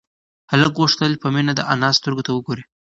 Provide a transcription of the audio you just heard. هلک غوښتل چې په مينه د انا سترگو ته وگوري.